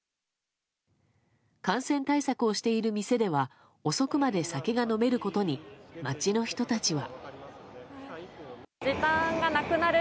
感染対策をしている店では遅くまで酒が飲めることに街の人たちは。